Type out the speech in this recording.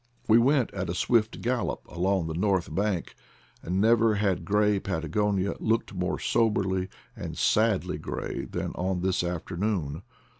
We went at a swift gallop along the north bank, and never had gray Patagonia looked more soberly and sadly gray than on this afternoon.